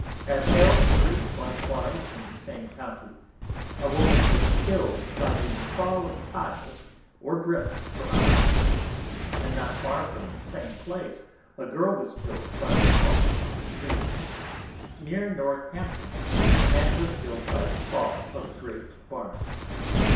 At Elsbury likewise in the same County, a Woman was killed by the Fall of Tiles or Bricks from an House. And not far from the same Place, a Girl was killed by the Fall of a Tree. Near Northampton, a Man was killed by the Fall of a great Barn.